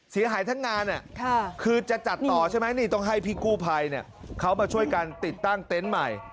เสียหายทั้งงานคือจะจัดต่อใช่ไหมนี่ต้องให้พี่กู้ภัยเขามาช่วยกันติดตั้งเต็นต์ใหม่